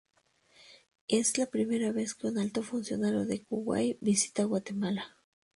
Es la primera vez que un alto funcionario de Kuwait visita Guatemala.